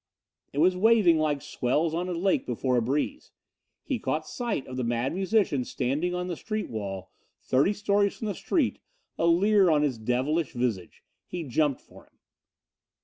It was waving like swells on a lake before a breeze. He caught sight of the Mad Musician standing on the street wall, thirty stories from the street, a leer on his devilish visage. He jumped for him.